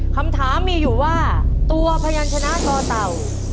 คำถามมีอยู่ว่าตัวพยานชนะต่อเต่า